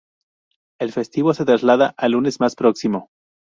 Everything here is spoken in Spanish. El festivo se traslada al lunes más próximo.